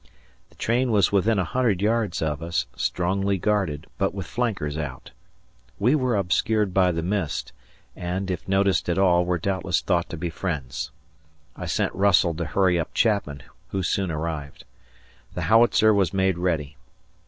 The train was within a hundred yards of us, strongly guarded, but with flankers out. We were obscured by the mist, and, if noticed at all, were doubtless thought to be friends. I sent Russell to hurry up Chapman, who soon arrived. The howitzer was made ready.